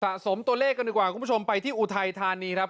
สมตัวเลขกันดีกว่าคุณผู้ชมไปที่อุทัยธานีครับ